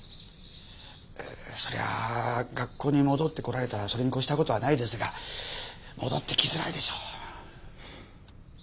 そりゃあ学校に戻ってこられたらそれにこした事はないですが戻ってきづらいでしょう。